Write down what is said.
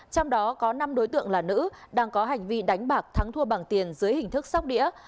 trong đó có năm đối tượng là nữ đang có hành vi đánh bạc thắng thua bằng tiền dưới hình thức sóc đĩa